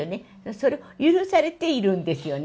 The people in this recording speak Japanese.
それを許されているんですよね。